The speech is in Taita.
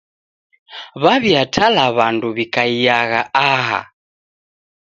W'aw'iatala w'andu w'ikaiagha aha.